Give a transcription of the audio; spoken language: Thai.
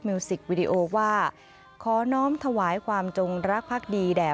สิกวิดีโอว่าขอน้อมถวายความจงรักภักดีแด่